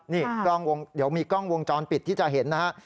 นี่กล้องวงเดี๋ยวมีกล้องวงจรปิดที่จะเห็นนะฮะ